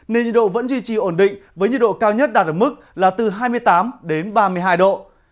nên nhiệt độ vẫn duy trì ổn định với nhiệt độ cao nhất đạt ở mức là từ hai mươi tám đến ba mươi hai độ